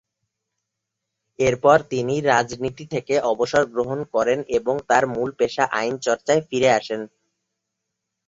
এরপর তিনি রাজনীতি থেকে অবসর গ্রহণ করেন এবং তার মূল পেশা আইন চর্চায় ফিরে আসেন।